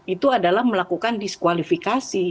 atau melakukan disqualifikasi